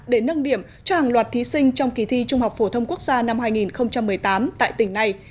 để nâng điểm cho hàng loạt thí sinh trong kỳ thi trung học phổ thông quốc gia năm hai nghìn một mươi tám tại tỉnh này